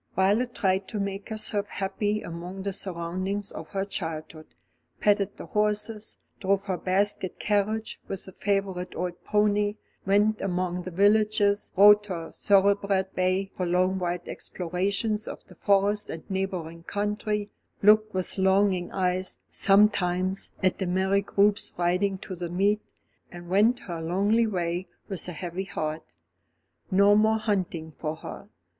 Violet tried to make herself happy among the surroundings of her childhood, petted the horses, drove her basket carriage with the favourite old pony, went among the villagers, rode her thoroughbred bay for long wild explorations of the Forest and neighbouring country, looked with longing eyes, sometimes, at the merry groups riding to the meet, and went her lonely way with a heavy heart. No more hunting for her.